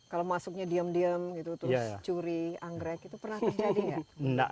kalau masuknya diam diam gitu terus curi anggrek itu pernah terjadi ya